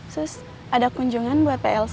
sus ada kunjungan buat kak elsa